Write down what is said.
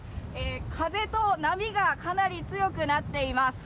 風と波がかなり強くなっています。